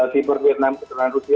viber vietnam keturunan rusia